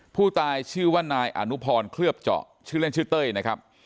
ผู้ตายชื่อว่านายอนุพรเคลือบเจาะชื่อเล่นชื่อเต้ยนะครับ